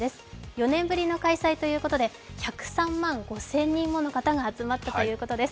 ４年ぶりの開催ということで１０３万５０００人もの方が集まったということです。